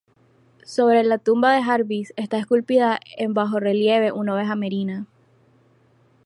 Sobre de la tumba de Jarvis esta esculpida en bajorrelieve una oveja merina.